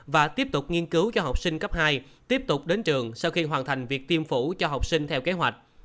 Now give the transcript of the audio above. và tiếp tục nghiên cứu cho học sinh cấp hai tiếp tục đến trường sau khi hoàn thành việc tiêm phổ cho học sinh theo kế hoạch